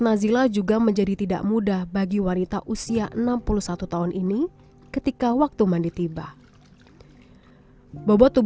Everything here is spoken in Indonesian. nazila selalu mengalami penyakit tersebut